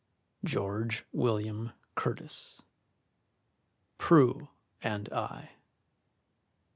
George William Curtis: "Prue and I."